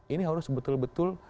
ini harus betul betul